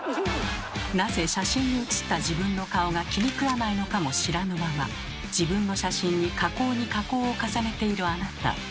なぜ写真にうつった自分の顔が気にくわないのかも知らぬまま自分の写真に加工に加工を重ねているあなた。